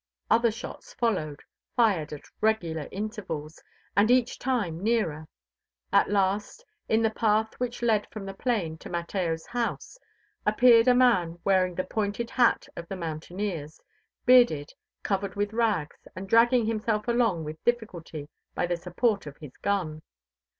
Other shots followed, fired at irregular intervals, and each time nearer; at last, in the path which led from the plain to Mateo's house, appeared a man wearing the pointed hat of the mountaineers, bearded, covered with rags, and dragging himself along with difficulty by the support of his gun.